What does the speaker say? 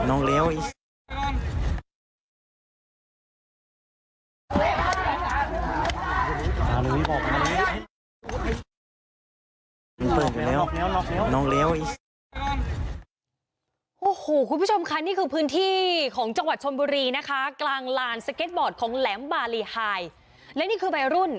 โอ้โหคุณผู้ชมค่ะนี่คือพื้นที่ของจังหวัดชนบุรีนะคะกลางลานสเก็ตบอร์ดของแหลมบารีไฮและนี่คือวัยรุ่น